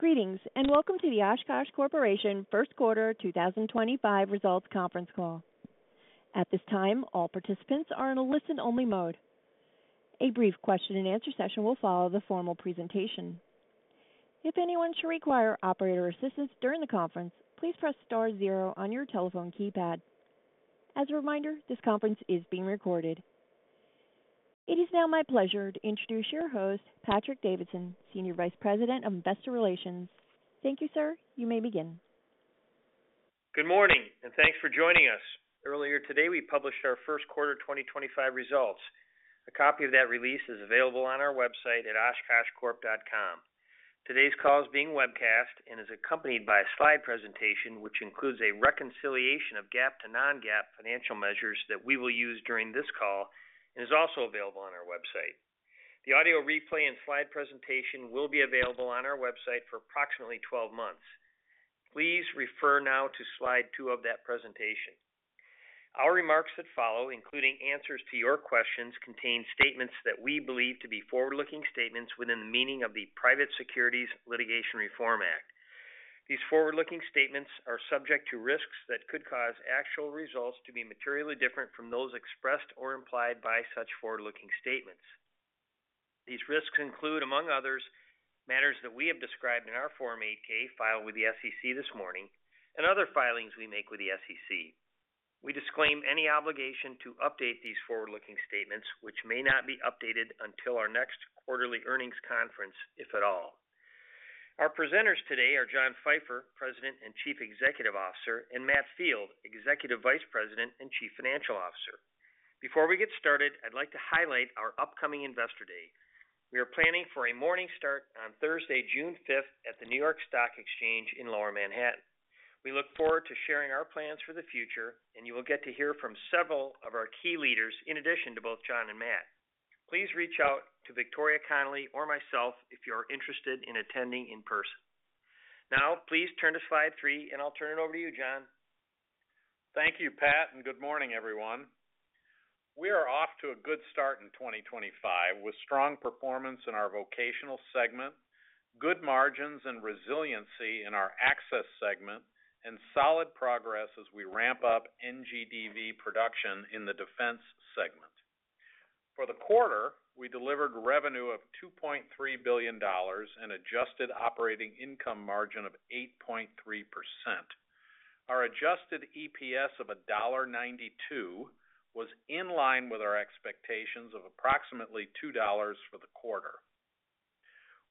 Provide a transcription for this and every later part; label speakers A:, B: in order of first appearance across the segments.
A: Greetings, and welcome to the Oshkosh Corporation First Quarter 2025 Results Conference Call. At this time, all participants are in a listen-only mode. A brief question-and-answer session will follow the formal presentation. If anyone should require operator assistance during the conference, please press star zero on your telephone keypad. As a reminder, this conference is being recorded. It is now my pleasure to introduce your host, Patrick Davidson, Senior Vice President of Investor Relations. Thank you, sir. You may begin.
B: Good morning, and thanks for joining us. Earlier today, we published our First Quarter 2025 results. A copy of that release is available on our website at oshkoshcorp.com. Today's call is being webcast and is accompanied by a slide presentation which includes a reconciliation of GAAP to non-GAAP financial measures that we will use during this call and is also available on our website. The audio replay and slide presentation will be available on our website for approximately 12 months. Please refer now to slide two of that presentation. Our remarks that follow, including answers to your questions, contain statements that we believe to be forward-looking statements within the meaning of the Private Securities Litigation Reform Act. These forward-looking statements are subject to risks that could cause actual results to be materially different from those expressed or implied by such forward-looking statements. These risks include, among others, matters that we have described in our Form 8-K filed with the SEC this morning and other filings we make with the SEC. We disclaim any obligation to update these forward-looking statements, which may not be updated until our next quarterly earnings conference, if at all. Our presenters today are John Pfeifer, President and Chief Executive Officer, and Matt Field, Executive Vice President and Chief Financial Officer. Before we get started, I'd like to highlight our upcoming Investor Day. We are planning for a morning start on Thursday, June 5th, at the New York Stock Exchange in Lower Manhattan. We look forward to sharing our plans for the future, and you will get to hear from several of our key leaders in addition to both John and Matt. Please reach out to Victoria Connolly or myself if you are interested in attending in person. Now, please turn to slide three, and I'll turn it over to you, John.
C: Thank you, Pat, and good morning, everyone. We are off to a good start in 2025 with strong performance in our vocational segment, good margins and resiliency in our access segment, and solid progress as we ramp up NGDV production in the defense segment. For the quarter, we delivered revenue of $2.3 billion and an adjusted operating income margin of 8.3%. Our adjusted EPS of $1.92 was in line with our expectations of approximately $2 for the quarter.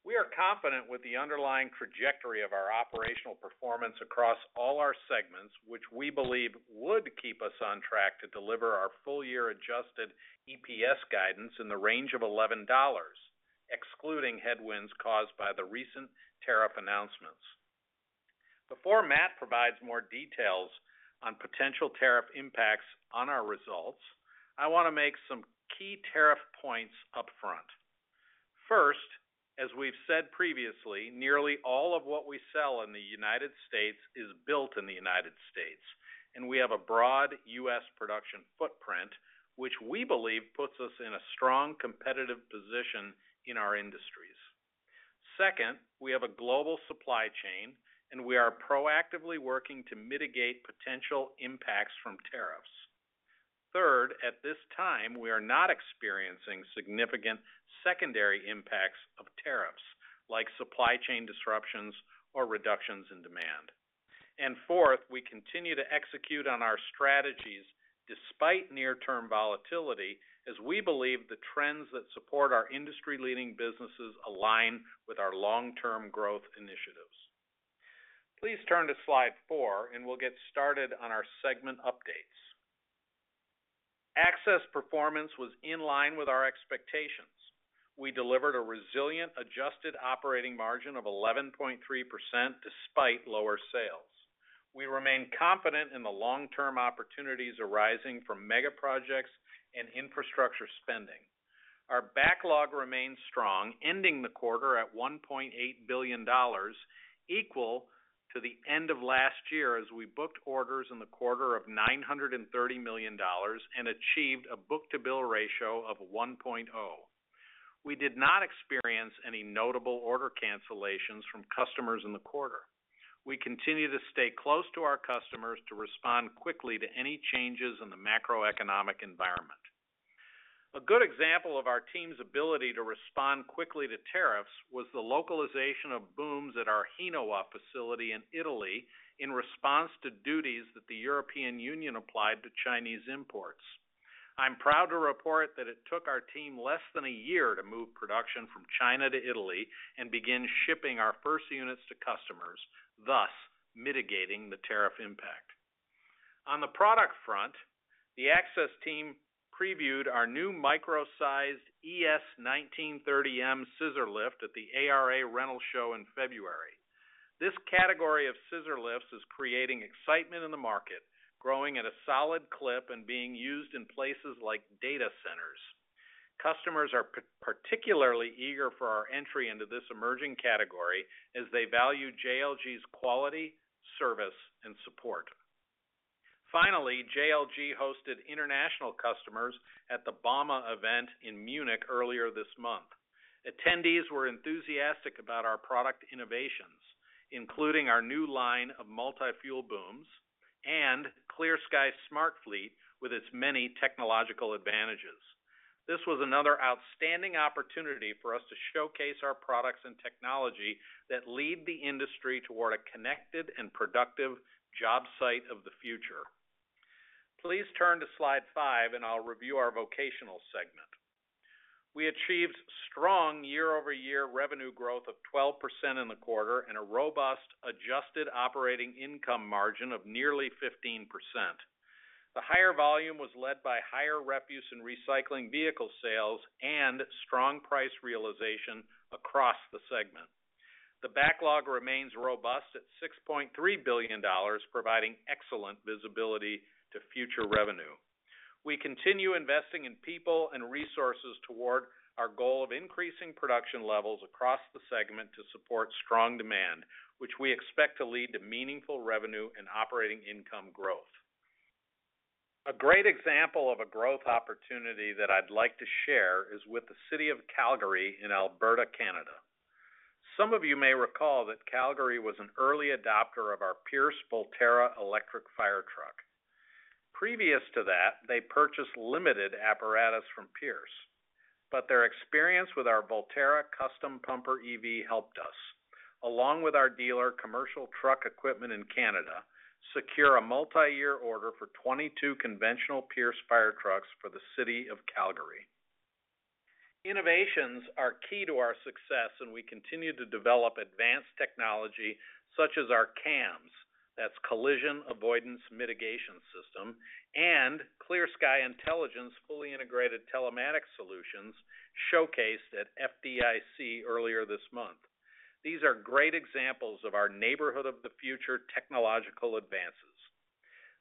C: We are confident with the underlying trajectory of our operational performance across all our segments, which we believe would keep us on track to deliver our full-year adjusted EPS guidance in the range of $11, excluding headwinds caused by the recent tariff announcements. Before Matt provides more details on potential tariff impacts on our results, I want to make some key tariff points upfront. First, as we've said previously, nearly all of what we sell in the United States is built in the United States, and we have a broad U.S. production footprint, which we believe puts us in a strong competitive position in our industries. Second, we have a global supply chain, and we are proactively working to mitigate potential impacts from tariffs. Third, at this time, we are not experiencing significant secondary impacts of tariffs, like supply chain disruptions or reductions in demand. Fourth, we continue to execute on our strategies despite near-term volatility, as we believe the trends that support our industry-leading businesses align with our long-term growth initiatives. Please turn to slide four, and we'll get started on our segment updates. Access performance was in line with our expectations. We delivered a resilient adjusted operating margin of 11.3% despite lower sales. We remain confident in the long-term opportunities arising from mega projects and infrastructure spending. Our backlog remains strong, ending the quarter at $1.8 billion, equal to the end of last year as we booked orders in the quarter of $930 million and achieved a book-to-bill ratio of 1.0. We did not experience any notable order cancellations from customers in the quarter. We continue to stay close to our customers to respond quickly to any changes in the macroeconomic environment. A good example of our team's ability to respond quickly to tariffs was the localization of booms at our Hinowa facility in Italy in response to duties that the European Union applied to Chinese imports. I'm proud to report that it took our team less than a year to move production from China to Italy and begin shipping our first units to customers, thus mitigating the tariff impact. On the product front, the access team previewed our new micro-sized ES1930M scissor lift at the ARA rental show in February. This category of scissor lifts is creating excitement in the market, growing at a solid clip and being used in places like data centers. Customers are particularly eager for our entry into this emerging category as they value JLG's quality, service, and support. Finally, JLG hosted international customers at the Bauma event in Munich earlier this month. Attendees were enthusiastic about our product innovations, including our new line of multi-fuel booms and ClearSky Smart Fleet with its many technological advantages. This was another outstanding opportunity for us to showcase our products and technology that lead the industry toward a connected and productive job site of the future. Please turn to slide five, and I'll review our vocational segment. We achieved strong year-over-year revenue growth of 12% in the quarter and a robust adjusted operating income margin of nearly 15%. The higher volume was led by higher refuse and recycling vehicle sales and strong price realization across the segment. The backlog remains robust at $6.3 billion, providing excellent visibility to future revenue. We continue investing in people and resources toward our goal of increasing production levels across the segment to support strong demand, which we expect to lead to meaningful revenue and operating income growth. A great example of a growth opportunity that I'd like to share is with the City of Calgary in Alberta, Canada. Some of you may recall that Calgary was an early adopter of our Pierce Volterra electric fire truck. Previous to that, they purchased limited apparatus from Pierce, but their experience with our Volterra custom pumper EV helped us, along with our dealer Commercial Truck Equipment in Canada, secure a multi-year order for 22 conventional Pierce fire trucks for the City of Calgary. Innovations are key to our success, and we continue to develop advanced technology such as our CAMS, that's Collision Avoidance Mitigation System, and ClearSky Intelligence fully integrated telematics solutions showcased at FDIC earlier this month. These are great examples of our Neighborhood of the Future technological advances.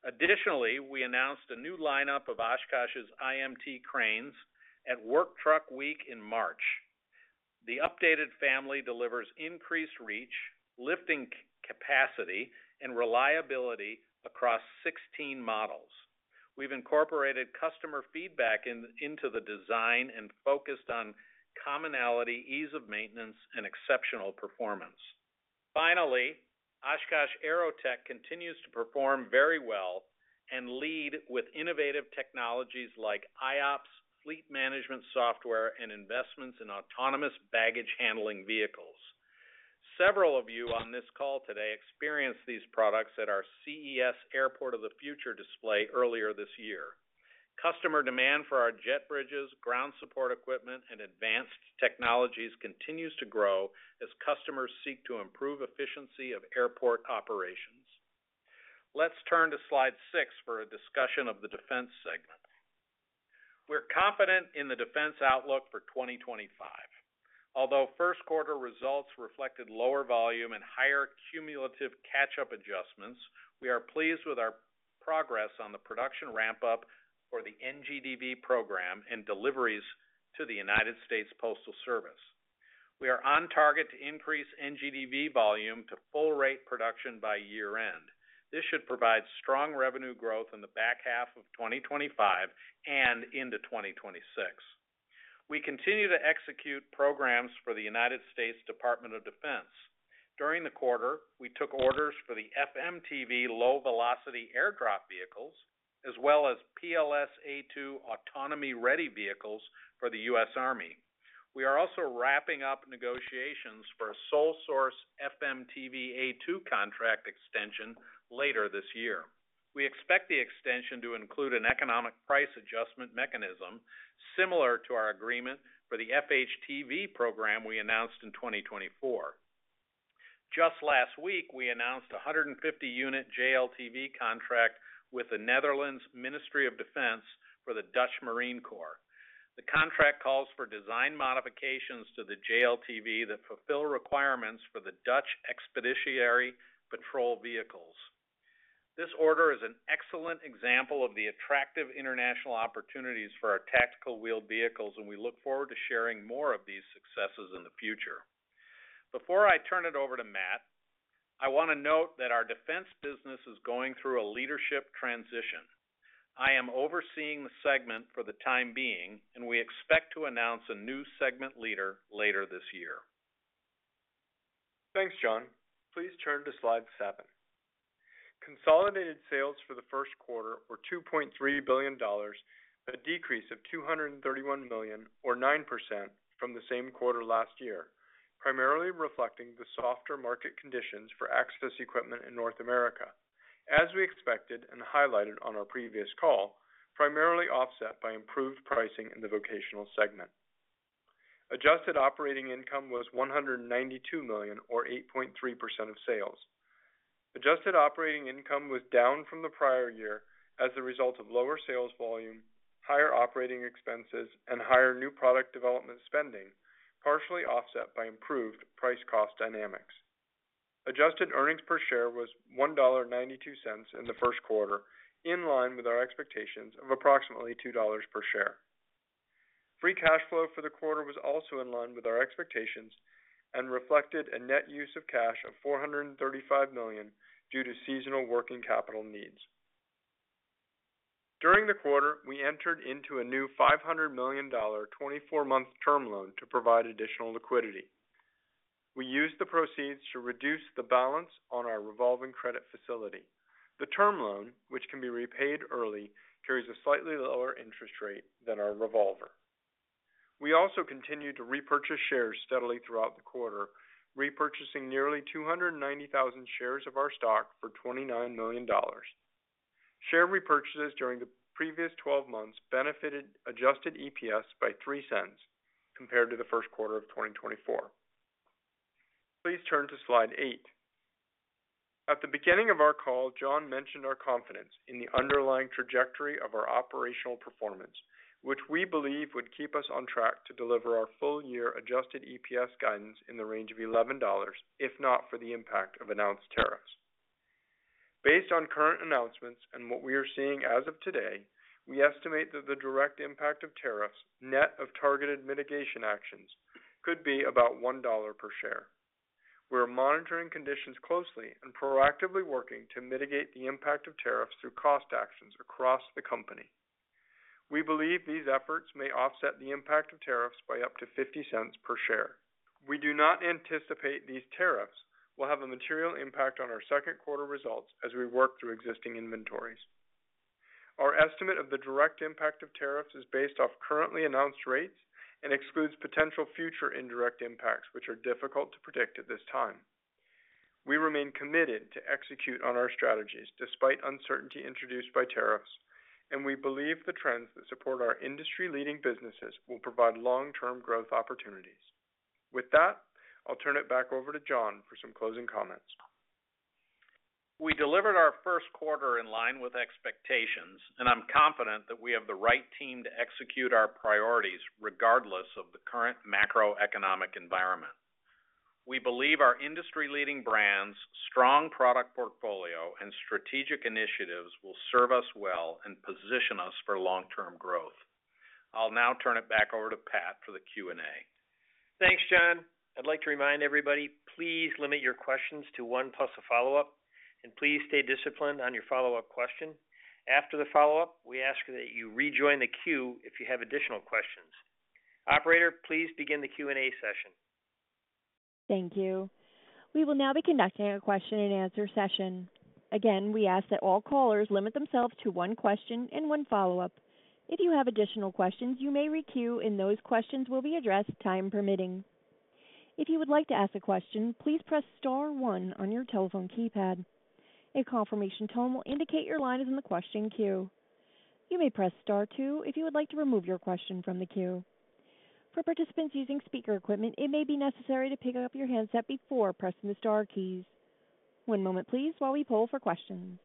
C: Additionally, we announced a new lineup of Oshkosh's IMT cranes at Work Truck Week in March. The updated family delivers increased reach, lifting capacity, and reliability across 16 models. We've incorporated customer feedback into the design and focused on commonality, ease of maintenance, and exceptional performance. Finally, Oshkosh AeroTech continues to perform very well and lead with innovative technologies like iOPS fleet management software and investments in autonomous baggage handling vehicles. Several of you on this call today experienced these products at our CES Airport of the Future display earlier this year. Customer demand for our jet bridges, ground support equipment, and advanced technologies continues to grow as customers seek to improve efficiency of airport operations. Let's turn to slide six for a discussion of the defense segment. We're confident in the defense outlook for 2025. Although first quarter results reflected lower volume and higher cumulative catch-up adjustments, we are pleased with our progress on the production ramp-up for the NGDV program and deliveries to the United States Postal Service. We are on target to increase NGDV volume to full-rate production by year-end. This should provide strong revenue growth in the back half of 2025 and into 2026. We continue to execute programs for the United States Department of Defense. During the quarter, we took orders for the FMTV low-velocity airdrop vehicles, as well as PLS A2 autonomy-ready vehicles for the U.S. Army. We are also wrapping up negotiations for a sole-source FMTV A2 contract extension later this year. We expect the extension to include an economic price adjustment mechanism similar to our agreement for the FHTV program we announced in 2024. Just last week, we announced a 150-unit JLTV contract with the Netherlands Ministry of Defense for the Dutch Marine Corps. The contract calls for design modifications to the JLTV that fulfill requirements for the Dutch Expeditionary Patrol Vehicles. This order is an excellent example of the attractive international opportunities for our tactical wheeled vehicles, and we look forward to sharing more of these successes in the future. Before I turn it over to Matt, I want to note that our defense business is going through a leadership transition. I am overseeing the segment for the time being, and we expect to announce a new segment leader later this year.
D: Thanks, John. Please turn to slide seven. Consolidated sales for the first quarter were $2.3 billion, a decrease of $231 million, or 9% from the same quarter last year, primarily reflecting the softer market conditions for access equipment in North America, as we expected and highlighted on our previous call, primarily offset by improved pricing in the vocational segment. Adjusted operating income was $192 million, or 8.3% of sales. Adjusted operating income was down from the prior year as a result of lower sales volume, higher operating expenses, and higher new product development spending, partially offset by improved price-cost dynamics. Adjusted earnings per share was $1.92 in the first quarter, in line with our expectations of approximately $2 per share. Free cash flow for the quarter was also in line with our expectations and reflected a net use of cash of $435 million due to seasonal working capital needs. During the quarter, we entered into a new $500 million 24-month term loan to provide additional liquidity. We used the proceeds to reduce the balance on our revolving credit facility. The term loan, which can be repaid early, carries a slightly lower interest rate than our revolver. We also continued to repurchase shares steadily throughout the quarter, repurchasing nearly 290,000 shares of our stock for $29 million. Share repurchases during the previous 12 months benefited adjusted EPS by $0.03 compared to the first quarter of 2024. Please turn to slide eight. At the beginning of our call, John mentioned our confidence in the underlying trajectory of our operational performance, which we believe would keep us on track to deliver our full-year adjusted EPS guidance in the range of $11, if not for the impact of announced tariffs. Based on current announcements and what we are seeing as of today, we estimate that the direct impact of tariffs net of targeted mitigation actions could be about $1 per share. We are monitoring conditions closely and proactively working to mitigate the impact of tariffs through cost actions across the company. We believe these efforts may offset the impact of tariffs by up to $0.50 per share. We do not anticipate these tariffs will have a material impact on our second quarter results as we work through existing inventories. Our estimate of the direct impact of tariffs is based off currently announced rates and excludes potential future indirect impacts, which are difficult to predict at this time. We remain committed to execute on our strategies despite uncertainty introduced by tariffs, and we believe the trends that support our industry-leading businesses will provide long-term growth opportunities. With that, I'll turn it back over to John for some closing comments.
C: We delivered our first quarter in line with expectations, and I'm confident that we have the right team to execute our priorities regardless of the current macroeconomic environment. We believe our industry-leading brands, strong product portfolio, and strategic initiatives will serve us well and position us for long-term growth. I'll now turn it back over to Pat for the Q&A.
B: Thanks, John. I'd like to remind everybody, please limit your questions to one plus a follow-up, and please stay disciplined on your follow-up question. After the follow-up, we ask that you rejoin the queue if you have additional questions. Operator, please begin the Q&A session.
A: Thank you. We will now be conducting a question-and-answer session. Again, we ask that all callers limit themselves to one question and one follow-up. If you have additional questions, you may re-queue and those questions will be addressed time permitting. If you would like to ask a question, please press star one on your telephone keypad. A confirmation tone will indicate your line is in the question queue. You may press star two if you would like to remove your question from the queue. For participants using speaker equipment, it may be necessary to pick up your handset before pressing the star keys. One moment, please, while we poll for questions.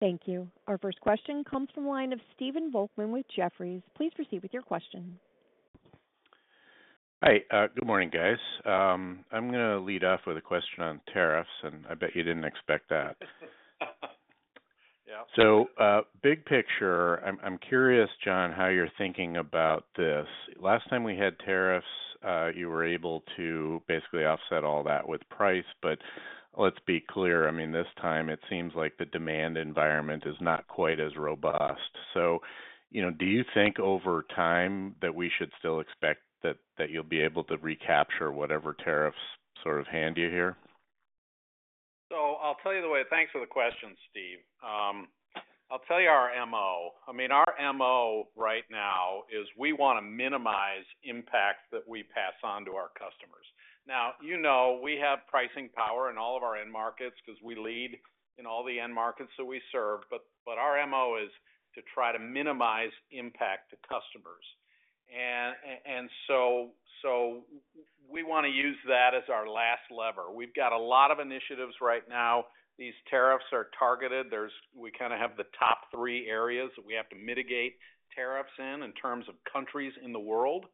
A: Thank you. Our first question comes from the line of Stephen Volkmann with Jefferies. Please proceed with your question.
E: Hi. Good morning, guys. I'm going to lead off with a question on tariffs, and I bet you didn't expect that. Big picture, I'm curious, John, how you're thinking about this. Last time we had tariffs, you were able to basically offset all that with price, but let's be clear, I mean, this time it seems like the demand environment is not quite as robust. Do you think over time that we should still expect that you'll be able to recapture whatever tariffs sort of hand you here?
C: I'll tell you the way, thanks for the question, Steve. I'll tell you our MO. I mean, our MO right now is we want to minimize impact that we pass on to our customers. Now, you know we have pricing power in all of our end markets because we lead in all the end markets that we serve, but our MO is to try to minimize impact to customers. We want to use that as our last lever. We've got a lot of initiatives right now. These tariffs are targeted. We kind of have the top three areas that we have to mitigate tariffs in, in terms of countries in the world.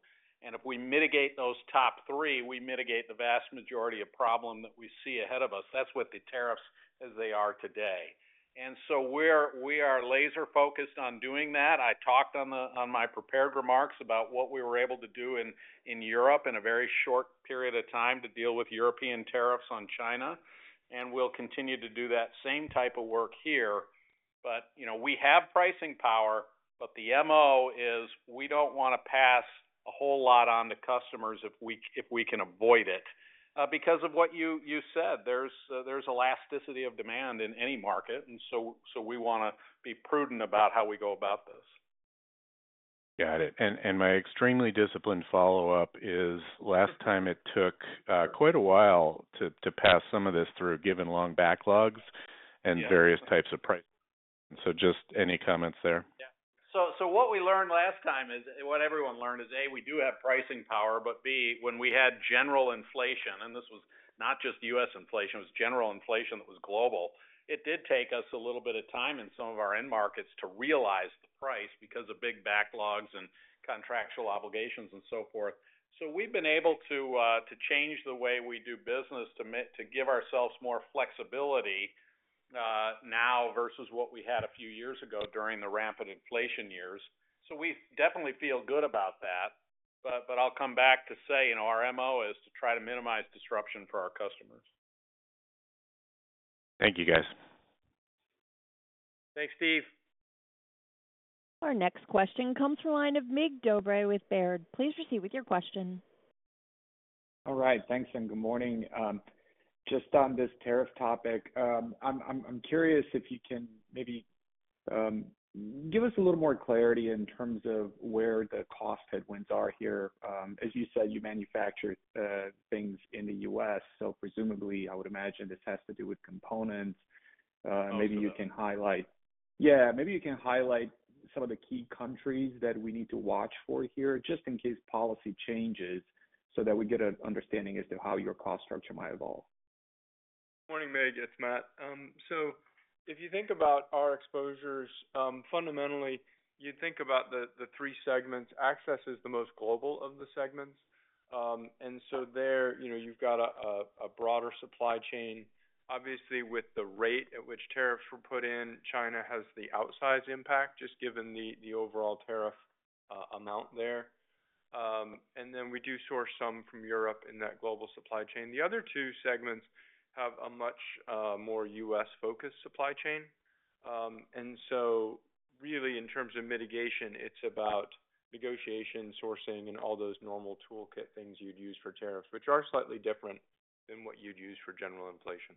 C: If we mitigate those top three, we mitigate the vast majority of problems that we see ahead of us. That's with the tariffs as they are today. We are laser-focused on doing that. I talked on my prepared remarks about what we were able to do in Europe in a very short period of time to deal with European tariffs on China. We will continue to do that same type of work here. We have pricing power, but the MO is we do not want to pass a whole lot on to customers if we can avoid it because of what you said. There is elasticity of demand in any market, and we want to be prudent about how we go about this.
E: Got it. My extremely disciplined follow-up is last time it took quite a while to pass some of this through given long backlogs and various types of pricing. Just any comments there?
C: Yeah. What we learned last time is what everyone learned is, A, we do have pricing power, but B, when we had general inflation, and this was not just U.S. inflation, it was general inflation that was global, it did take us a little bit of time in some of our end markets to realize the price because of big backlogs and contractual obligations and so forth. We have been able to change the way we do business to give ourselves more flexibility now versus what we had a few years ago during the rampant inflation years. We definitely feel good about that. I will come back to say our MO is to try to minimize disruption for our customers.
E: Thank you, guys.
C: Thanks, Steve.
A: Our next question comes from the line of Mig Dobre with Baird. Please proceed with your question.
F: All right. Thanks and good morning. Just on this tariff topic, I'm curious if you can maybe give us a little more clarity in terms of where the cost headwinds are here. As you said, you manufacture things in the U.S. So presumably, I would imagine this has to do with components. Maybe you can highlight. Absolutely. Yeah. Maybe you can highlight some of the key countries that we need to watch for here just in case policy changes so that we get an understanding as to how your cost structure might evolve.
D: Good morning, Mig. It's Matt. If you think about our exposures, fundamentally, you'd think about the three segments. Access is the most global of the segments. There, you've got a broader supply chain. Obviously, with the rate at which tariffs were put in, China has the outsized impact just given the overall tariff amount there. We do source some from Europe in that global supply chain. The other two segments have a much more U.S. focused supply chain. In terms of mitigation, it's about negotiation, sourcing, and all those normal toolkit things you'd use for tariffs, which are slightly different than what you'd use for general inflation.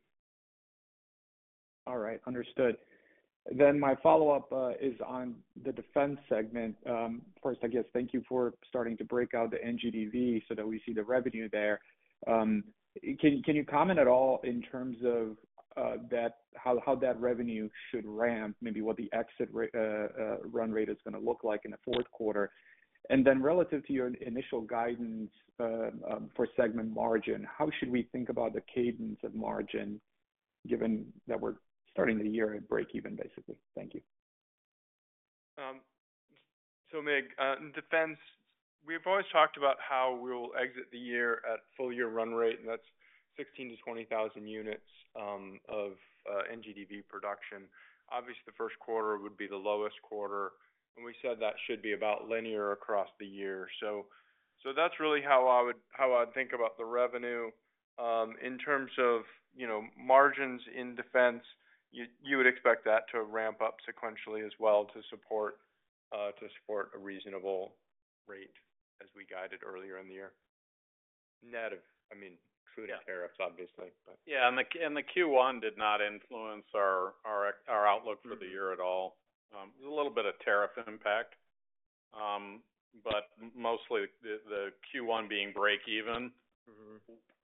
F: All right. Understood. Then my follow-up is on the defense segment. First, I guess, thank you for starting to break out the NGDV so that we see the revenue there. Can you comment at all in terms of how that revenue should ramp, maybe what the exit run rate is going to look like in the fourth quarter? Then relative to your initial guidance for segment margin, how should we think about the cadence of margin given that we're starting the year at break-even, basically? Thank you.
D: Mig, defense, we've always talked about how we'll exit the year at full-year run rate, and that's 16,000-20,000 units of NGDV production. Obviously, the first quarter would be the lowest quarter. We said that should be about linear across the year. That's really how I would think about the revenue. In terms of margins in defense, you would expect that to ramp up sequentially as well to support a reasonable rate as we guided earlier in the year. Net, I mean, excluding tariffs, obviously.
C: Yeah. The Q1 did not influence our outlook for the year at all. It was a little bit of tariff impact, but mostly the Q1 being break-even,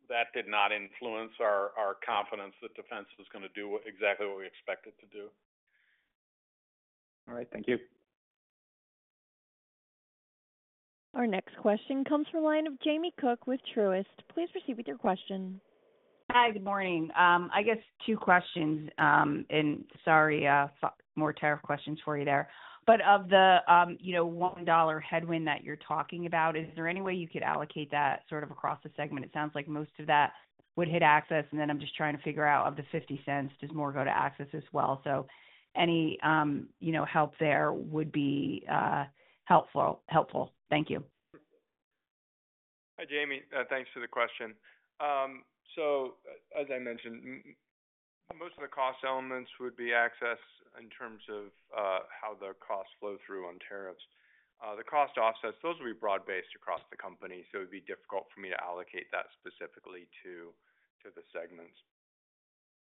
C: that did not influence our confidence that defense was going to do exactly what we expected it to do.
F: All right. Thank you.
A: Our next question comes from the line of Jamie Cook with Truist. Please proceed with your question.
G: Hi. Good morning. I guess two questions. Sorry, more tariff questions for you there. Of the $1 headwind that you're talking about, is there any way you could allocate that sort of across the segment? It sounds like most of that would hit access, and then I'm just trying to figure out of the $0.50, does more go to access as well? Any help there would be helpful. Thank you.
D: Hi, Jamie. Thanks for the question. As I mentioned, most of the cost elements would be access in terms of how the costs flow through on tariffs. The cost offsets, those will be broad-based across the company. It would be difficult for me to allocate that specifically to the segments.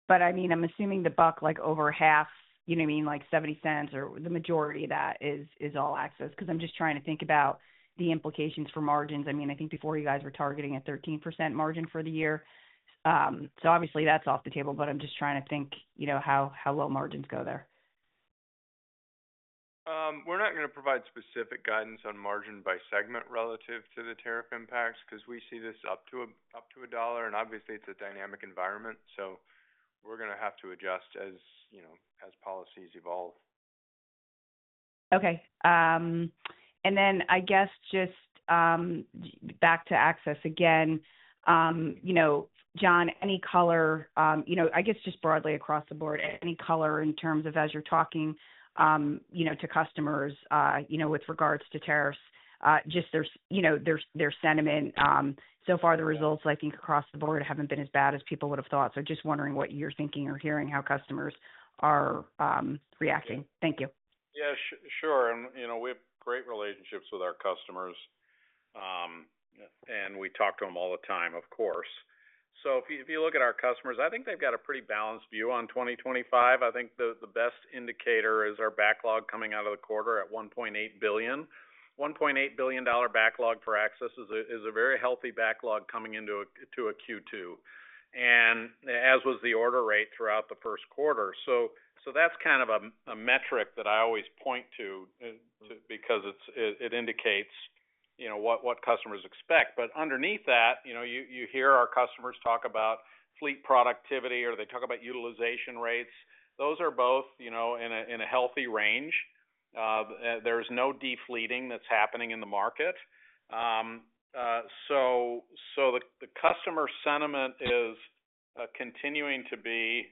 G: I mean, I'm assuming the buck, like over half, you know what I mean? Like $0.70 or the majority of that is all access because I'm just trying to think about the implications for margins. I mean, I think before you guys were targeting a 13% margin for the year. Obviously, that's off the table, but I'm just trying to think how low margins go there.
D: We're not going to provide specific guidance on margin by segment relative to the tariff impacts because we see this up to a dollar, and obviously, it's a dynamic environment. We are going to have to adjust as policies evolve.
G: Okay. I guess just back to access again. John, any color? I guess just broadly across the board, any color in terms of as you're talking to customers with regards to tariffs, just their sentiment. So far, the results, I think, across the board haven't been as bad as people would have thought. Just wondering what you're thinking or hearing how customers are reacting. Thank you.
C: Yeah. Sure. We have great relationships with our customers, and we talk to them all the time, of course. If you look at our customers, I think they've got a pretty balanced view on 2025. I think the best indicator is our backlog coming out of the quarter at $1.8 billion. $1.8 billion backlog for access is a very healthy backlog coming into a Q2, as was the order rate throughout the first quarter. That's kind of a metric that I always point to because it indicates what customers expect. Underneath that, you hear our customers talk about fleet productivity or they talk about utilization rates. Those are both in a healthy range. There's no defleeting that's happening in the market. The customer sentiment is continuing to be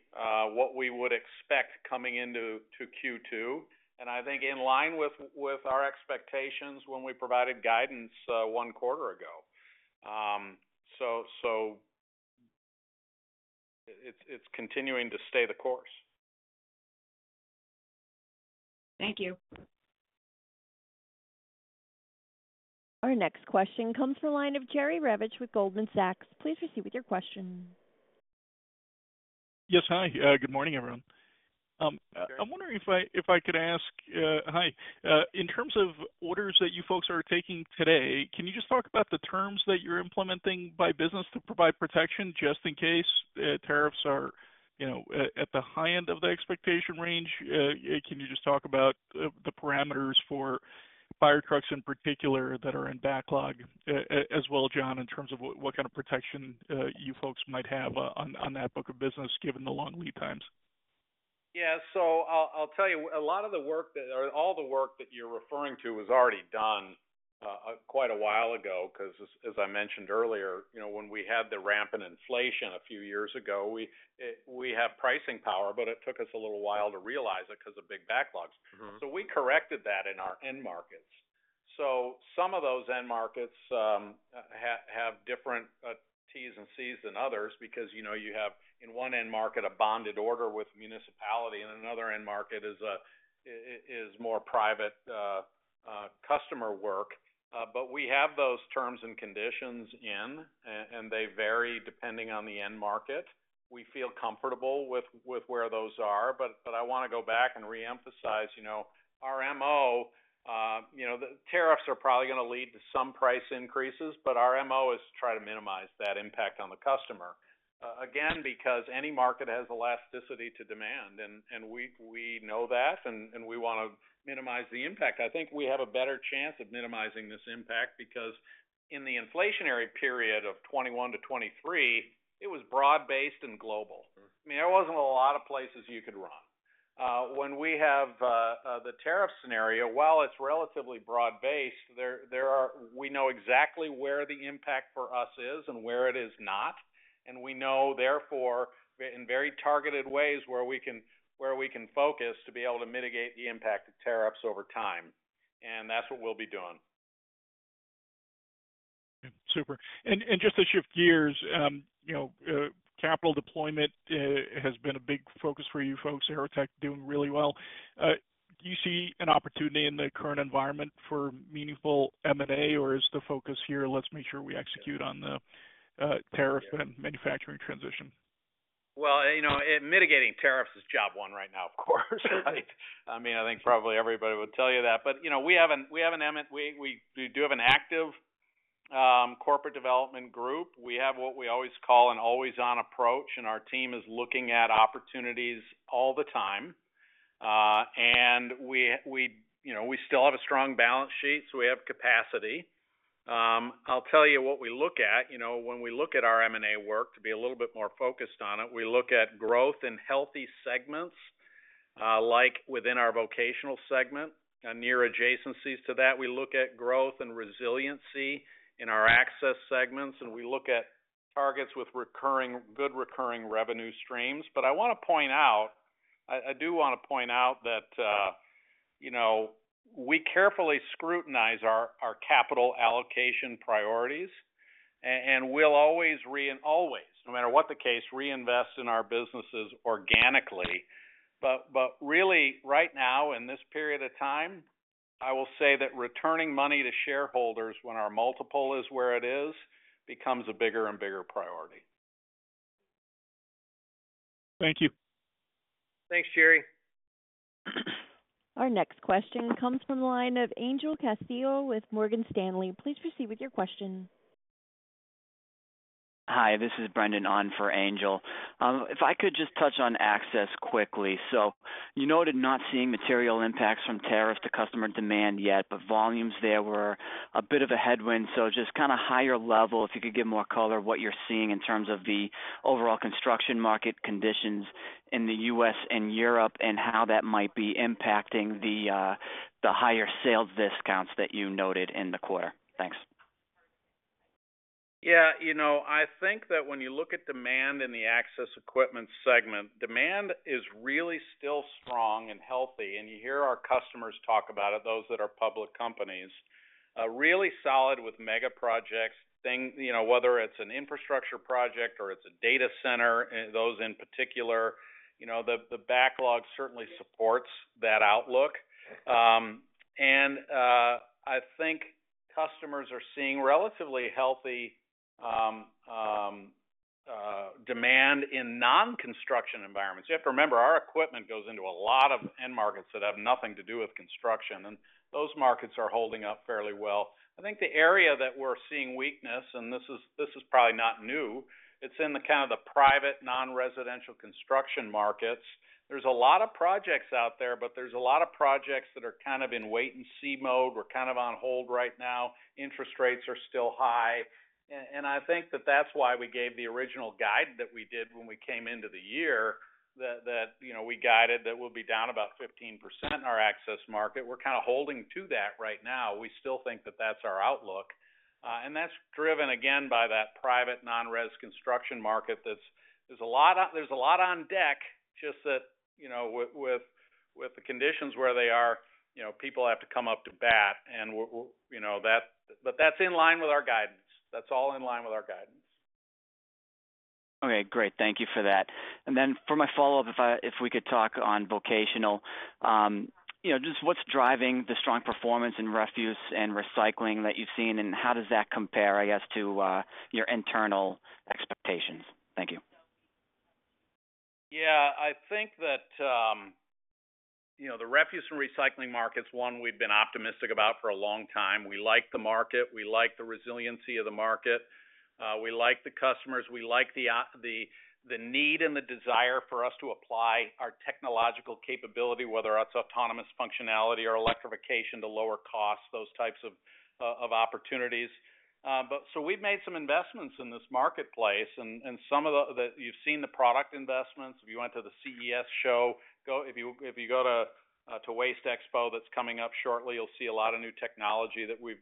C: what we would expect coming into Q2. I think in line with our expectations when we provided guidance one quarter ago. It is continuing to stay the course.
G: Thank you.
A: Our next question comes from the line of Jerry Revich with Goldman Sachs. Please proceed with your question.
H: Yes. Hi. Good morning, everyone. I'm wondering if I could ask, in terms of orders that you folks are taking today, can you just talk about the terms that you're implementing by business to provide protection just in case tariffs are at the high end of the expectation range? Can you just talk about the parameters for fire trucks in particular that are in backlog as well, John, in terms of what kind of protection you folks might have on that book of business given the long lead times?
C: Yeah. I'll tell you, a lot of the work that or all the work that you're referring to was already done quite a while ago because, as I mentioned earlier, when we had the ramp in inflation a few years ago, we have pricing power, but it took us a little while to realize it because of big backlogs. We corrected that in our end markets. Some of those end markets have different Ts and Cs than others because you have, in one end market, a bonded order with municipality, and another end market is more private customer work. We have those terms and conditions in, and they vary depending on the end market. We feel comfortable with where those are. I want to go back and reemphasize our MO. The tariffs are probably going to lead to some price increases, but our MO is to try to minimize that impact on the customer. Again, because any market has elasticity to demand, and we know that, and we want to minimize the impact. I think we have a better chance of minimizing this impact because in the inflationary period of 2021 -2023, it was broad-based and global. I mean, there was not a lot of places you could run. When we have the tariff scenario, while it is relatively broad-based, we know exactly where the impact for us is and where it is not. We know, therefore, in very targeted ways where we can focus to be able to mitigate the impact of tariffs over time. That is what we will be doing.
H: Super. Just to shift gears, capital deployment has been a big focus for you folks. AeroTech doing really well. Do you see an opportunity in the current environment for meaningful M&A, or is the focus here, let's make sure we execute on the tariff and manufacturing transition?
C: Mitigating tariffs is job one right now, of course. I mean, I think probably everybody would tell you that. We have an active corporate development group. We have what we always call an always-on approach, and our team is looking at opportunities all the time. We still have a strong balance sheet, so we have capacity. I'll tell you what we look at. When we look at our M&A work to be a little bit more focused on it, we look at growth in healthy segments like within our vocational segment and near adjacencies to that. We look at growth and resiliency in our access segments, and we look at targets with good recurring revenue streams. I want to point out that we carefully scrutinize our capital allocation priorities, and we'll always, no matter what the case, reinvest in our businesses organically. Really, right now, in this period of time, I will say that returning money to shareholders when our multiple is where it is becomes a bigger and bigger priority.
H: Thank you.
C: Thanks, Jerry.
A: Our next question comes from the line of Angel Castillo with Morgan Stanley. Please proceed with your question.
I: Hi. This is Brendan on for Angel. If I could just touch on access quickly. Noted not seeing material impacts from tariffs to customer demand yet, but volumes there were a bit of a headwind. Just kind of higher level, if you could give more color what you're seeing in terms of the overall construction market conditions in the U.S. and Europe and how that might be impacting the higher sales discounts that you noted in the quarter. Thanks.
C: Yeah. I think that when you look at demand in the access equipment segment, demand is really still strong and healthy. You hear our customers talk about it, those that are public companies, really solid with mega projects, whether it's an infrastructure project or it's a data center, those in particular, the backlog certainly supports that outlook. I think customers are seeing relatively healthy demand in non-construction environments. You have to remember, our equipment goes into a lot of end markets that have nothing to do with construction, and those markets are holding up fairly well. I think the area that we're seeing weakness, and this is probably not new, it's in kind of the private non-residential construction markets. There's a lot of projects out there, but there's a lot of projects that are kind of in wait-and-see mode. We're kind of on hold right now. Interest rates are still high. I think that that's why we gave the original guide that we did when we came into the year that we guided that we'll be down about 15% in our access market. We're kind of holding to that right now. We still think that that's our outlook. That's driven, again, by that private non-res construction market. There's a lot on deck, just that with the conditions where they are, people have to come up to bat. That is in line with our guidance. That is all in line with our guidance.
I: Okay. Great. Thank you for that. For my follow-up, if we could talk on vocational, just what's driving the strong performance in refuse and recycling that you've seen, and how does that compare, I guess, to your internal expectations? Thank you.
C: Yeah. I think that the refuse and recycling market's one we've been optimistic about for a long time. We like the market. We like the resiliency of the market. We like the customers. We like the need and the desire for us to apply our technological capability, whether it's autonomous functionality or electrification to lower costs, those types of opportunities. We've made some investments in this marketplace, and some of that you've seen the product investments. If you went to the CES show, if you go to Waste Expo that's coming up shortly, you'll see a lot of new technology that we've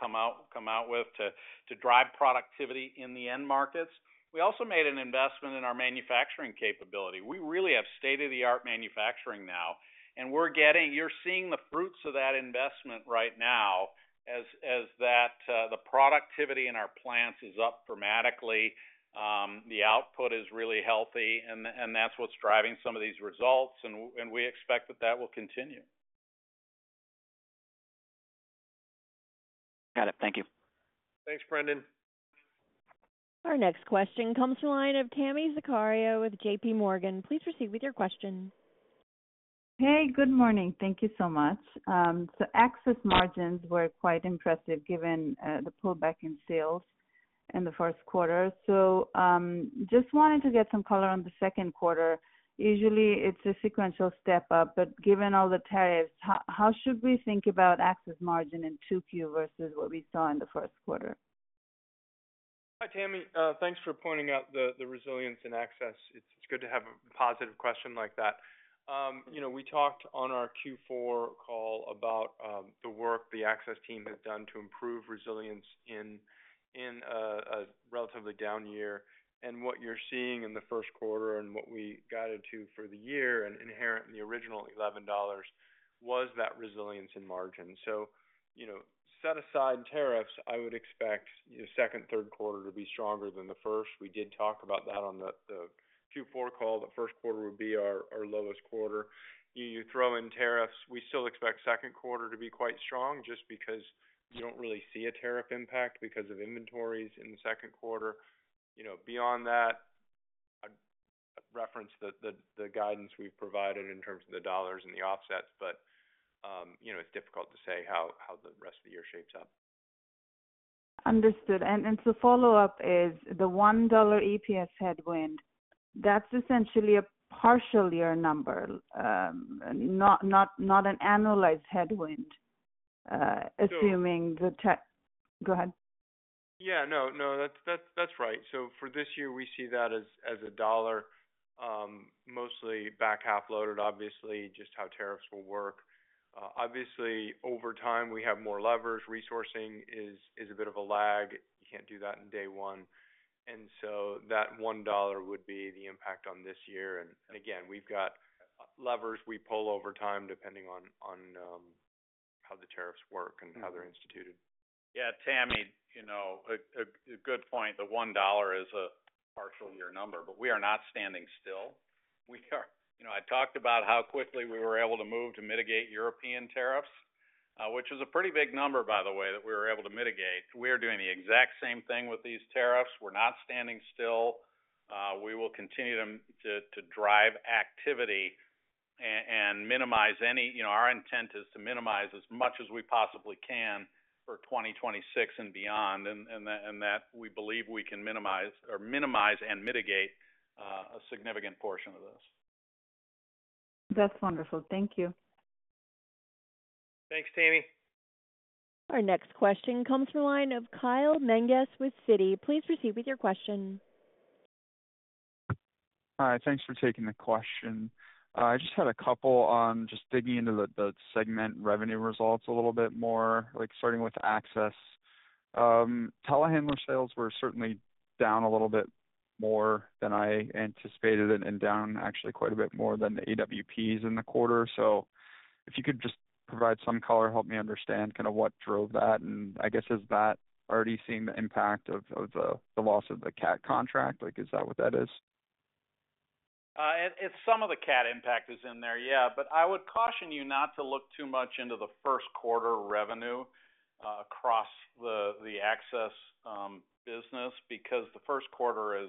C: come out with to drive productivity in the end markets. We also made an investment in our manufacturing capability. We really have state-of-the-art manufacturing now. You're seeing the fruits of that investment right now as the productivity in our plants is up dramatically. The output is really healthy, and that's what's driving some of these results, and we expect that that will continue.
I: Got it. Thank you.
C: Thanks, Brendan.
A: Our next question comes from the line of Tami Zakaria with J.P. Morgan. Please proceed with your question.
J: Hey, good morning. Thank you so much. Access margins were quite impressive given the pullback in sales in the first quarter. I just wanted to get some color on the second quarter. Usually, it is a sequential step up, but given all the tariffs, how should we think about access margin in 2Q versus what we saw in the first quarter?
D: Hi, Tami. Thanks for pointing out the resilience in access. It's good to have a positive question like that. We talked on our Q4 call about the work the access team has done to improve resilience in a relatively down year. What you're seeing in the first quarter and what we guided to for the year and inherent in the original $11 was that resilience in margin. Set aside tariffs, I would expect second, third quarter to be stronger than the first. We did talk about that on the Q4 call. The first quarter would be our lowest quarter. You throw in tariffs, we still expect second quarter to be quite strong just because you don't really see a tariff impact because of inventories in the second quarter. Beyond that, reference the guidance we've provided in terms of the dollars and the offsets, but it's difficult to say how the rest of the year shapes up.
J: Understood. To follow up, is the $1 EPS headwind essentially a partial year number, not an annualized headwind, assuming the go ahead?
D: Yeah. No, no. That's right. For this year, we see that as a dollar, mostly back half loaded, obviously, just how tariffs will work. Obviously, over time, we have more levers. Resourcing is a bit of a lag. You can't do that in day one. That $1 would be the impact on this year. Again, we've got levers we pull over time depending on how the tariffs work and how they're instituted.
C: Yeah. Tami, a good point. The $1 is a partial year number, but we are not standing still. I talked about how quickly we were able to move to mitigate European tariffs, which was a pretty big number, by the way, that we were able to mitigate. We are doing the exact same thing with these tariffs. We are not standing still. We will continue to drive activity and minimize any our intent is to minimize as much as we possibly can for 2026 and beyond, and that we believe we can minimize and mitigate a significant portion of this.
J: That's wonderful. Thank you.
C: Thanks, Tami.
A: Our next question comes from the line of Kyle Menges with Citi. Please proceed with your question.
K: Hi. Thanks for taking the question. I just had a couple on just digging into the segment revenue results a little bit more, starting with access. Telehandler sales were certainly down a little bit more than I anticipated and down actually quite a bit more than the AWPs in the quarter. If you could just provide some color, help me understand kind of what drove that. I guess, has that already seen the impact of the loss of the CAT contract? Is that what that is?
C: Some of the CAT impact is in there, yeah. I would caution you not to look too much into the first quarter revenue across the access business because the first quarter,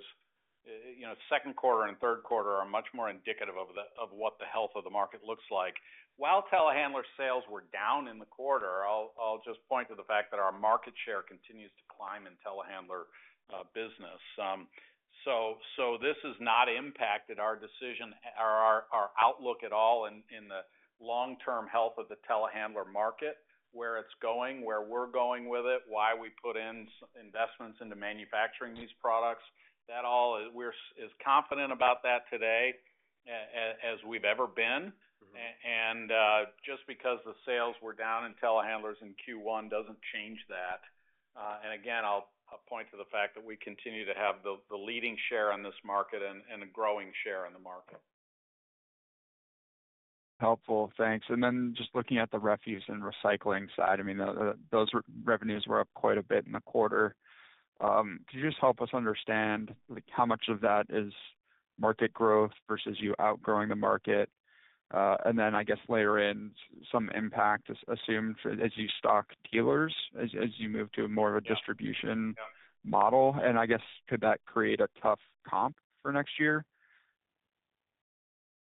C: second quarter, and third quarter are much more indicative of what the health of the market looks like. While telehandler sales were down in the quarter, I'll just point to the fact that our market share continues to climb in the telehandler business. This has not impacted our decision or our outlook at all in the long-term health of the telehandler market, where it's going, where we're going with it, why we put in investments into manufacturing these products. We're as confident about that today as we've ever been. Just because the sales were down in telehandlers in Q1 doesn't change that. I'll point to the fact that we continue to have the leading share in this market and a growing share in the market.
K: Helpful. Thanks. Just looking at the refuse and recycling side, I mean, those revenues were up quite a bit in the quarter. Could you just help us understand how much of that is market growth versus you outgrowing the market? I guess later in, some impact assumed as you stock dealers, as you move to more of a distribution model. I guess, could that create a tough comp for next year?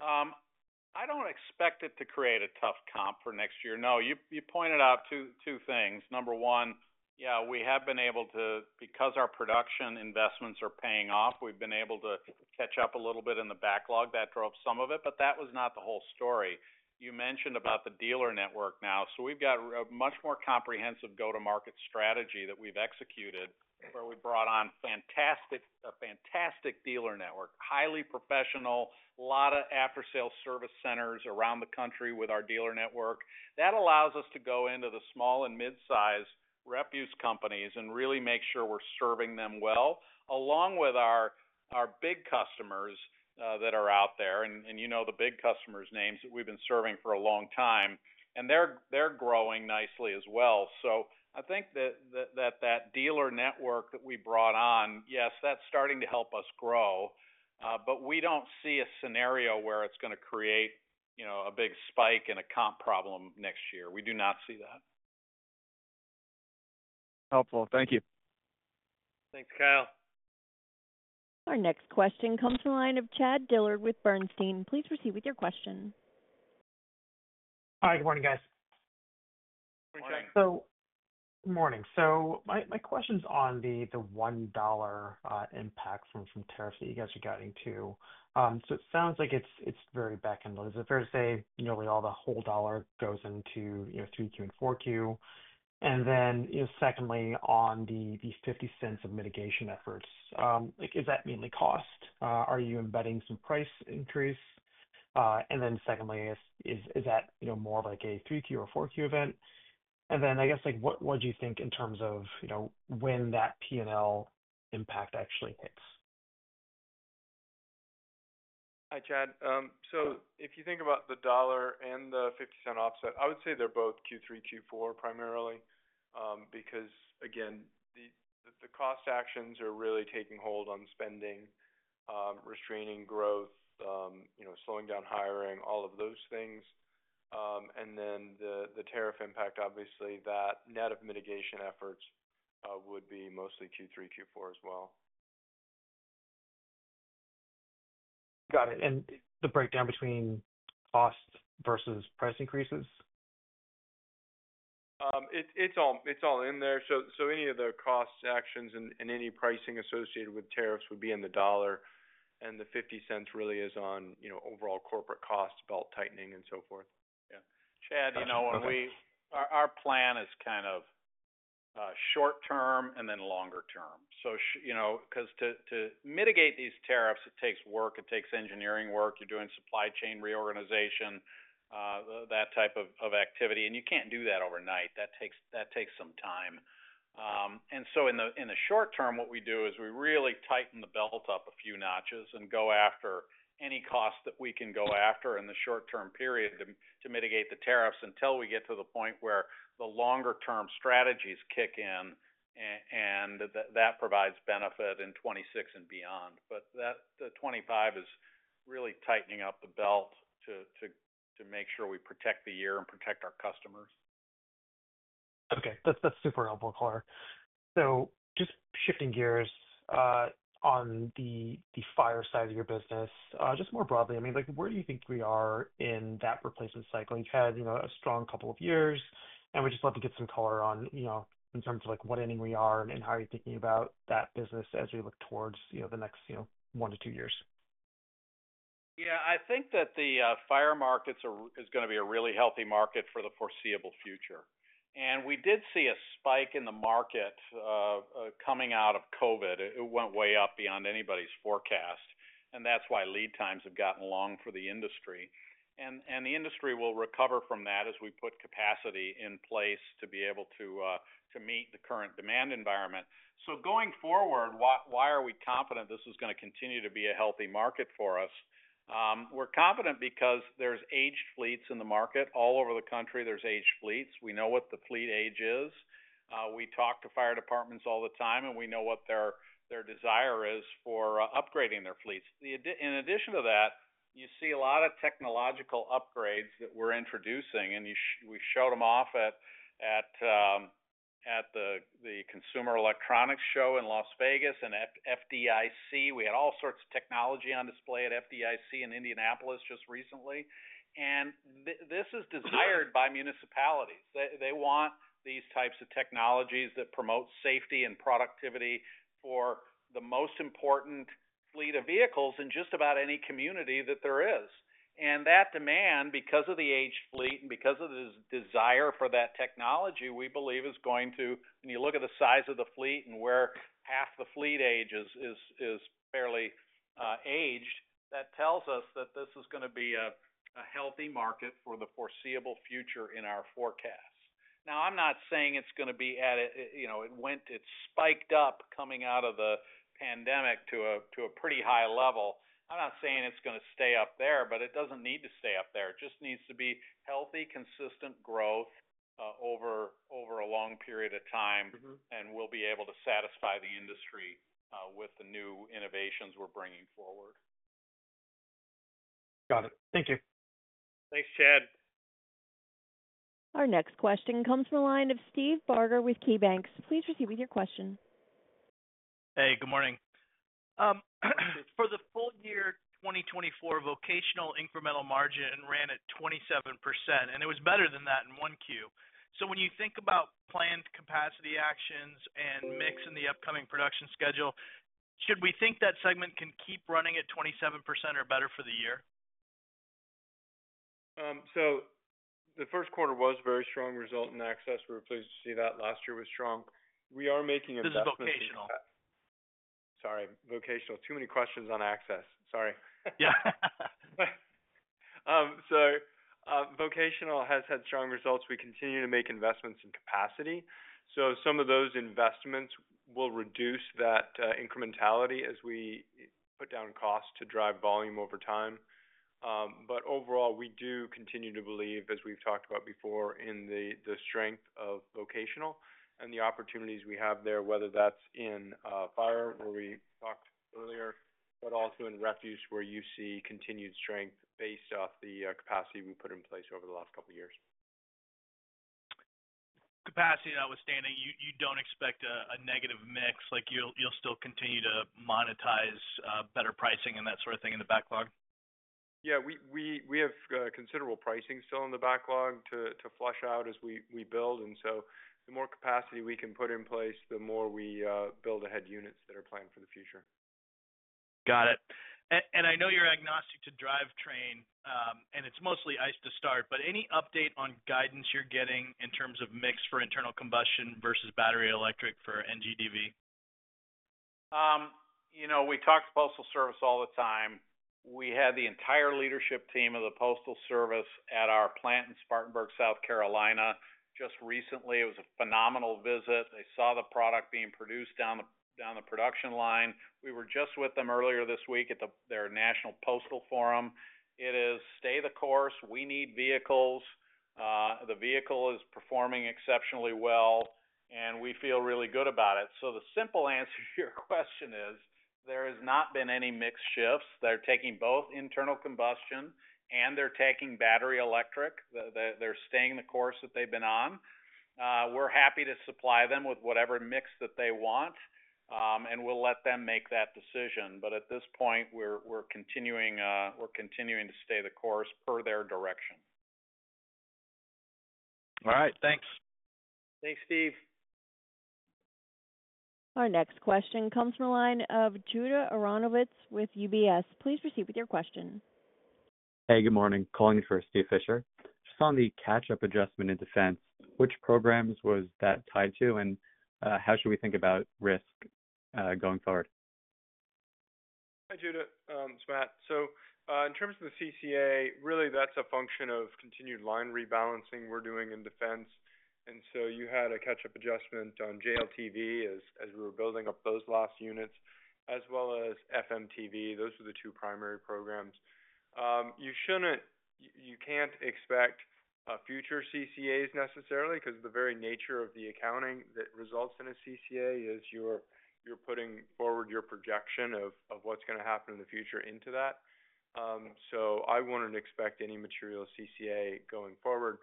C: I don't expect it to create a tough comp for next year. No. You pointed out two things. Number one, yeah, we have been able to, because our production investments are paying off, we've been able to catch up a little bit in the backlog. That drove some of it, but that was not the whole story. You mentioned about the dealer network now. We have a much more comprehensive go-to-market strategy that we've executed where we brought on a fantastic dealer network, highly professional, a lot of after-sales service centers around the country with our dealer network. That allows us to go into the small and mid-size refuse companies and really make sure we're serving them well along with our big customers that are out there. You know the big customers' names that we've been serving for a long time, and they're growing nicely as well. I think that that dealer network that we brought on, yes, that's starting to help us grow, but we don't see a scenario where it's going to create a big spike in a comp problem next year. We do not see that.
K: Helpful. Thank you.
C: Thanks, Kyle.
A: Our next question comes from the line of Chad Dillard with Bernstein. Please proceed with your question.
L: Hi. Good morning, guys.
D: Good morning.
L: Good morning. My question is on the $1 impact from tariffs that you guys are guiding to. It sounds like it is very back-end loaded. Is it fair to say nearly all the whole dollar goes into 3Q and 4Q? On the $0.50 of mitigation efforts, is that mainly cost? Are you embedding some price increase? Is that more of a 3Q or 4Q event? What do you think in terms of when that P&L impact actually hits?
D: Hi, Chad. If you think about the dollar and the $0.50 offset, I would say they're both Q3, Q4 primarily because, again, the cost actions are really taking hold on spending, restraining growth, slowing down hiring, all of those things. The tariff impact, obviously, that net of mitigation efforts would be mostly Q3, Q4 as well.
L: Got it. The breakdown between cost versus price increases?
D: It's all in there. Any of the cost actions and any pricing associated with tariffs would be in the dollar, and the $0.50 really is on overall corporate costs, belt tightening, and so forth.
C: Yeah. Chad, you know what? Our plan is kind of short-term and then longer-term. Because to mitigate these tariffs, it takes work. It takes engineering work. You're doing supply chain reorganization, that type of activity. You can't do that overnight. That takes some time. In the short term, what we do is we really tighten the belt up a few notches and go after any cost that we can go after in the short-term period to mitigate the tariffs until we get to the point where the longer-term strategies kick in, and that provides benefit in 2026 and beyond. The 2025 is really tightening up the belt to make sure we protect the year and protect our customers.
L: Okay. That's super helpful color. Just shifting gears on the fire side of your business, just more broadly, I mean, where do you think we are in that replacement cycle? You've had a strong couple of years, and we just love to get some color on in terms of what ending we are and how you're thinking about that business as we look towards the next one to two years.
C: Yeah. I think that the fire market is going to be a really healthy market for the foreseeable future. We did see a spike in the market coming out of COVID. It went way up beyond anybody's forecast, and that's why lead times have gotten long for the industry. The industry will recover from that as we put capacity in place to be able to meet the current demand environment. Going forward, why are we confident this is going to continue to be a healthy market for us? We're confident because there's aged fleets in the market. All over the country, there's aged fleets. We know what the fleet age is. We talk to fire departments all the time, and we know what their desire is for upgrading their fleets. In addition to that, you see a lot of technological upgrades that we're introducing, and we showed them off at the Consumer Electronics Show in Las Vegas and at FDIC. We had all sorts of technology on display at FDIC in Indianapolis just recently. This is desired by municipalities. They want these types of technologies that promote safety and productivity for the most important fleet of vehicles in just about any community that there is. That demand, because of the aged fleet and because of the desire for that technology, we believe is going to, when you look at the size of the fleet and where half the fleet age is fairly aged, that tells us that this is going to be a healthy market for the foreseeable future in our forecasts. Now, I'm not saying it's going to be at it when it spiked up coming out of the pandemic to a pretty high level. I'm not saying it's going to stay up there, but it doesn't need to stay up there. It just needs to be healthy, consistent growth over a long period of time, and we'll be able to satisfy the industry with the new innovations we're bringing forward.
L: Got it. Thank you.
C: Thanks, Chad.
A: Our next question comes from the line of Steve Barger with KeyBanc. Please proceed with your question.
M: Hey, good morning. For the full year 2024, vocational incremental margin ran at 27%, and it was better than that in 1Q. When you think about planned capacity actions and mix in the upcoming production schedule, should we think that segment can keep running at 27% or better for the year?
D: The first quarter was a very strong result in access. We're pleased to see that. Last year was strong. We are making a bet on that.
M: This is vocational.
D: Sorry. Vocational. Too many questions on access. Sorry.
M: Yeah.
D: Vocational has had strong results. We continue to make investments in capacity. Some of those investments will reduce that incrementality as we put down costs to drive volume over time. Overall, we do continue to believe, as we've talked about before, in the strength of vocational and the opportunities we have there, whether that's in fire, where we talked earlier, but also in refuse where you see continued strength based off the capacity we put in place over the last couple of years.
M: Capacity that was standing, you do not expect a negative mix. You will still continue to monetize better pricing and that sort of thing in the backlog?
D: Yeah. We have considerable pricing still in the backlog to flush out as we build. The more capacity we can put in place, the more we build ahead units that are planned for the future.
M: Got it. I know you're agnostic to drivetrain, and it's mostly ICE to start, but any update on guidance you're getting in terms of mix for internal combustion versus battery electric for NGDV?
C: We talk to Postal Service all the time. We had the entire leadership team of the Postal Service at our plant in Spartanburg, South Carolina just recently. It was a phenomenal visit. They saw the product being produced down the production line. We were just with them earlier this week at their National Postal Forum. It is, "Stay the course. We need vehicles." The vehicle is performing exceptionally well, and we feel really good about it. The simple answer to your question is there has not been any mix shifts. They're taking both internal combustion, and they're taking battery electric. They're staying the course that they've been on. We're happy to supply them with whatever mix that they want, and we'll let them make that decision. At this point, we're continuing to stay the course per their direction.
M: All right. Thanks.
C: Thanks, Steve.
A: Our next question comes from the line of Judah Aronovitz with UBS. Please proceed with your question.
N: Hey, good morning. Calling for Steve Fisher. Just on the catch-up adjustment in defense, which programs was that tied to, and how should we think about risk going forward?
D: Hi, Judah. It's Matt. In terms of the CCA, really, that's a function of continued line rebalancing we're doing in defense. You had a catch-up adjustment on JLTV as we were building up those last units, as well as FMTV. Those were the two primary programs. You can't expect future CCAs necessarily because the very nature of the accounting that results in a CCA is you're putting forward your projection of what's going to happen in the future into that. I wouldn't expect any material CCA going forward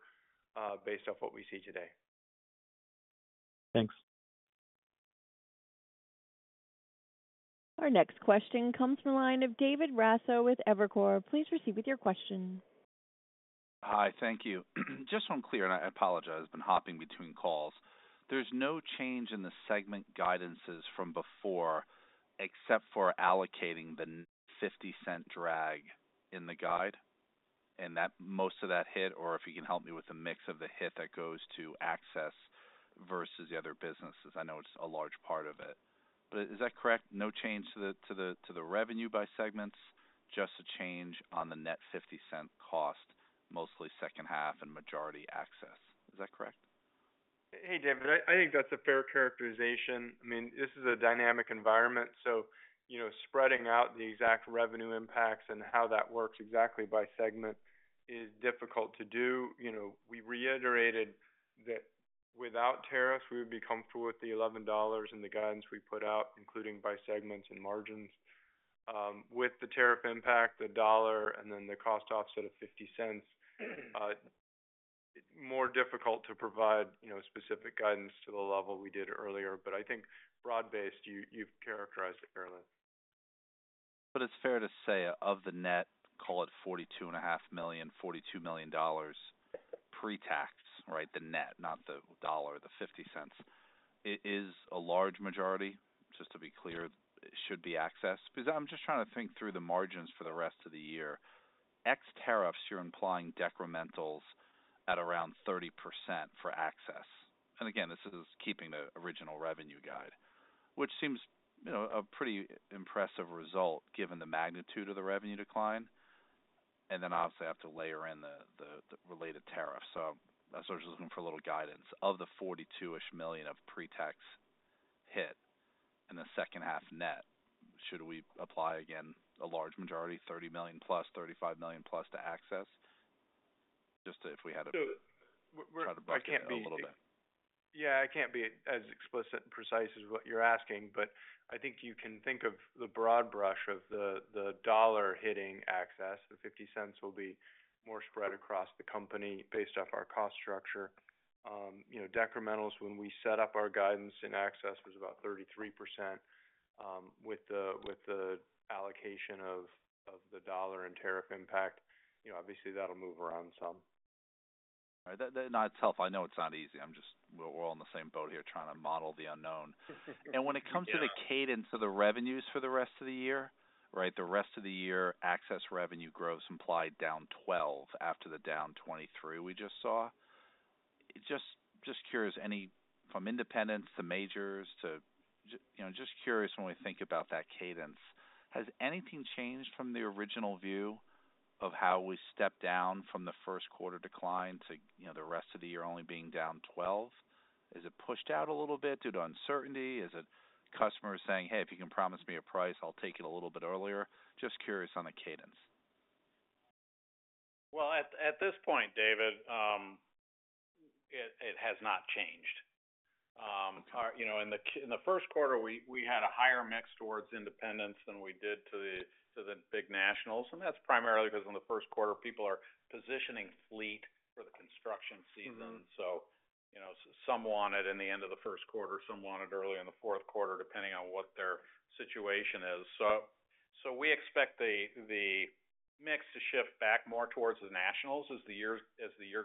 D: based off what we see today.
N: Thanks.
A: Our next question comes from the line of David Raso with Evercore. Please proceed with your question.
O: Hi. Thank you. Just so I'm clear, and I apologize, I've been hopping between calls. There's no change in the segment guidances from before except for allocating the $0.50 drag in the guide, and that most of that hit, or if you can help me with the mix of the hit that goes to access versus the other businesses. I know it's a large part of it. Is that correct? No change to the revenue by segments, just a change on the net $0.50 cost, mostly second half and majority access. Is that correct?
D: Hey, David. I think that's a fair characterization. I mean, this is a dynamic environment, so spreading out the exact revenue impacts and how that works exactly by segment is difficult to do. We reiterated that without tariffs, we would be comfortable with the $11 and the guidance we put out, including by segments and margins. With the tariff impact, the dollar, and then the cost offset of $0.50, more difficult to provide specific guidance to the level we did earlier. I think broad-based, you've characterized it fairly.
O: It's fair to say of the net, call it $42.5 million, $42 million pre-tax, right? The net, not the dollar, the $0.50. It is a large majority, just to be clear, it should be access. Because I'm just trying to think through the margins for the rest of the year. Ex tariffs, you're implying decrementals at around 30% for access. Again, this is keeping the original revenue guide, which seems a pretty impressive result given the magnitude of the revenue decline. Obviously, I have to layer in the related tariffs. I was just looking for a little guidance. Of the $42 million-ish of pre-tax hit in the second half net, should we apply again a large majority, $30 million plus, $35 million plus to access? Just if we had to try to bucket it out a little bit.
D: Yeah. I can't be as explicit and precise as what you're asking, but I think you can think of the broad brush of the dollar hitting access. The $0.50 will be more spread across the company based off our cost structure. Decrementals, when we set up our guidance in access, was about 33% with the allocation of the dollar and tariff impact. Obviously, that'll move around some.
O: All right. That in and of itself, I know it's not easy. We're all in the same boat here trying to model the unknown. When it comes to the cadence of the revenues for the rest of the year, right, the rest of the year access revenue growth implied down 12% after the down 23% we just saw. Just curious, from independents to majors, just curious when we think about that cadence, has anything changed from the original view of how we stepped down from the first quarter decline to the rest of the year only being down 12%? Is it pushed out a little bit due to uncertainty? Is it customers saying, "Hey, if you can promise me a price, I'll take it a little bit earlier"? Just curious on the cadence.
C: At this point, David, it has not changed. In the first quarter, we had a higher mix towards independents than we did to the big nationals. That is primarily because in the first quarter, people are positioning fleet for the construction season. Some want it in the end of the first quarter, some want it early in the fourth quarter, depending on what their situation is. We expect the mix to shift back more towards the nationals as the year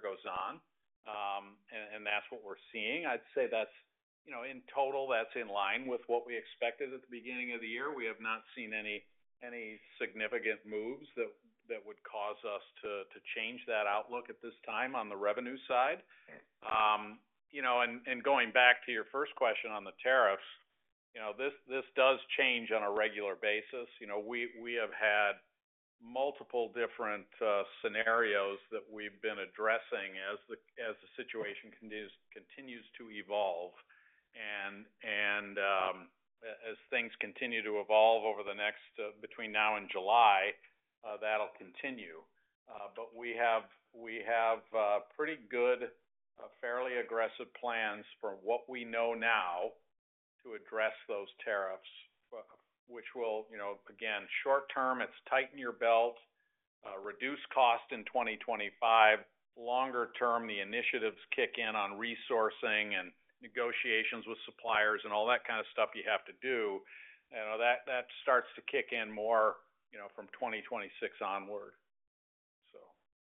C: goes on, and that is what we are seeing. I would say that is in total, that is in line with what we expected at the beginning of the year. We have not seen any significant moves that would cause us to change that outlook at this time on the revenue side. Going back to your first question on the tariffs, this does change on a regular basis. We have had multiple different scenarios that we've been addressing as the situation continues to evolve. As things continue to evolve over the next between now and July, that'll continue. We have pretty good, fairly aggressive plans for what we know now to address those tariffs, which will, again, short-term, it's tighten your belt, reduce cost in 2025. Longer-term, the initiatives kick in on resourcing and negotiations with suppliers and all that kind of stuff you have to do. That starts to kick in more from 2026 onward.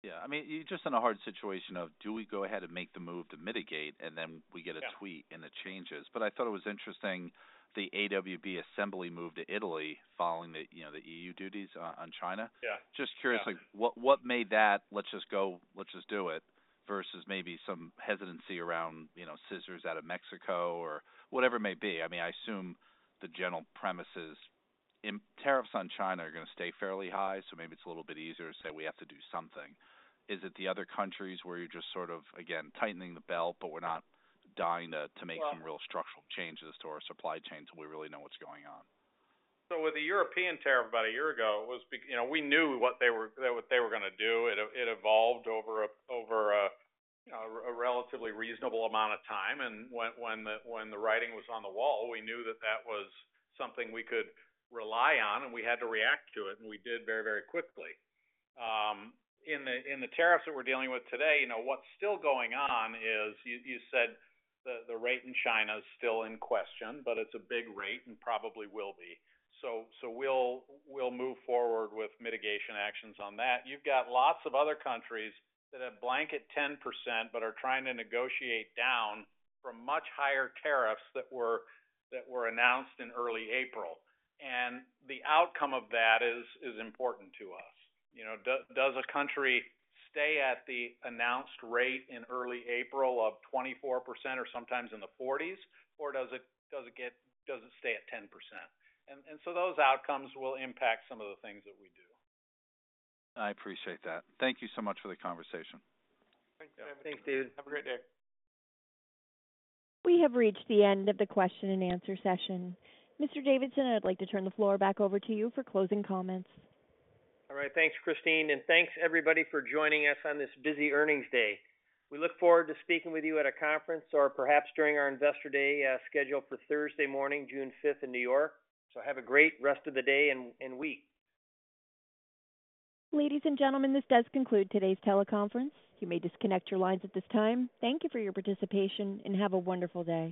O: Yeah. I mean, you're just in a hard situation of, do we go ahead and make the move to mitigate, and then we get a tweet and it changes? I thought it was interesting, the AWB assembly moved to Italy following the EU duties on China. Just curious, what made that, "Let's just do it," versus maybe some hesitancy around scissors out of Mexico or whatever it may be? I mean, I assume the general premise is tariffs on China are going to stay fairly high, so maybe it's a little bit easier to say we have to do something. Is it the other countries where you're just sort of, again, tightening the belt, but we're not dying to make some real structural changes to our supply chains so we really know what's going on?
C: With the European tariff about a year ago, we knew what they were going to do. It evolved over a relatively reasonable amount of time. When the writing was on the wall, we knew that that was something we could rely on, and we had to react to it, and we did very, very quickly. In the tariffs that we're dealing with today, what's still going on is you said the rate in China is still in question, but it's a big rate and probably will be. We'll move forward with mitigation actions on that. You've got lots of other countries that have blanket 10% but are trying to negotiate down from much higher tariffs that were announced in early April. The outcome of that is important to us. Does a country stay at the announced rate in early April of 24% or sometimes in the 40s, or does it stay at 10%? Those outcomes will impact some of the things that we do.
O: I appreciate that. Thank you so much for the conversation.
D: Thanks, David.
C: Thanks, David. Have a great day.
A: We have reached the end of the question and answer session. Mr. Davidson, I'd like to turn the floor back over to you for closing comments.
B: All right. Thanks, Christine. Thanks, everybody, for joining us on this busy earnings day. We look forward to speaking with you at a conference or perhaps during our investor day scheduled for Thursday morning, June 5th, in New York. Have a great rest of the day and week.
A: Ladies and gentlemen, this does conclude today's teleconference. You may disconnect your lines at this time. Thank you for your participation, and have a wonderful day.